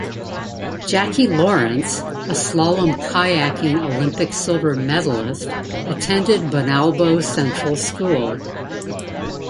Jacqui Lawrence, a slalom kayaking Olympic Silver medalist, attended Bonalbo Central School.